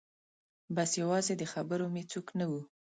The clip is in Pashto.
بس یوازې د خبرو مې څوک نه و